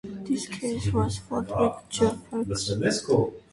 This case was fought with Jaffacakes.